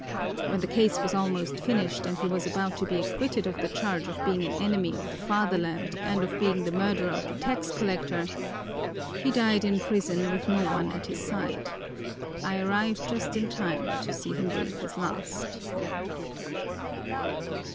When the case was almost finished and he was about to be acquitted of the charge of being an enemy of the fatherland and of being the murderer of the tax collector, he died in the prison with no one at his side. I arrived just in time to see him breathe his last."